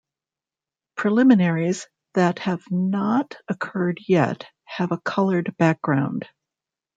Preliminaries that have not occurred yet have a colored background.